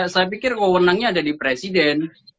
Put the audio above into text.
saya pikir wawonannya ada di presiden